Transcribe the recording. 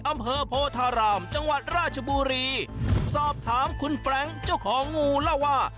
อำเภอโพธารามจังหวัดราชบุรีสอบถามคุณแฟรงค์เจ้าของงูเล่าว่า